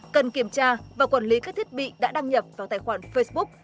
cần kiểm tra và quản lý các thiết bị đã đăng nhập vào tài khoản facebook